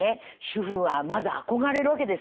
主婦はまず憧れるわけですよ。